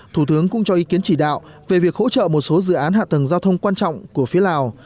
thủ tướng cũng cho ý kiến chỉ đạo về việc hỗ trợ một số dự án hạ tầng giao thông quan trọng của phía lào